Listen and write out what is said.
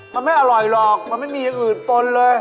มันไม่อร่อยหรอกมันไม่มีอย่างอื่นปนเลย